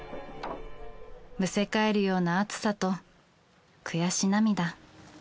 むせかえるような暑さと悔し涙。